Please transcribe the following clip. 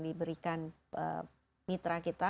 diberikan mitra kita